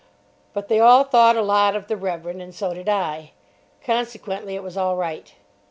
But they all thought a lot of the Reverend, and so did I. Consequently it was all right.